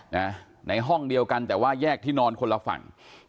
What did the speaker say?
ในห้องเดียวกันแต่ว่าแยกที่นอนคนละฝั่ง